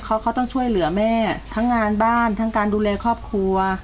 เขาเขาต้องช่วยเหลือแม่ทั้งงานบ้านทั้งการดูแลครอบครัว